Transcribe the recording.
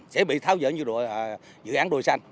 sẽ bị tháo rỡ như dự án đồi xanh